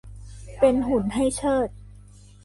เป็นหุ่นให้เชิด